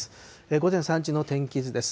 午前３時の天気図です。